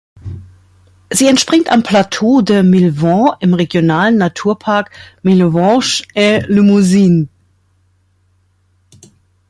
Sie entspringt am Plateau de Millevaches im Regionalen Naturpark Millevaches en Limousin.